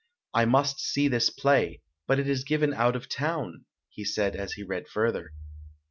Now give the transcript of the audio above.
"I must see this play; but it is given out of town", he said as he read further.